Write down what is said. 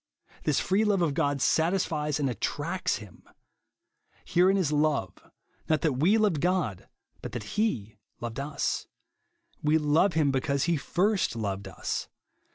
This free love of God satisfies and attracts him. " Herein is love, not that we loA^ed God, but that he loved us." " We love him be cause he first loved us."